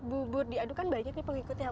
tim bubur diaduk kan banyak nih pengikutnya pak